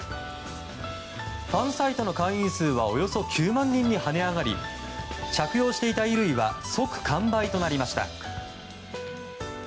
ファンサイトの会員数はおよそ９万人に跳ね上がり着用していた衣類は即完売となりました。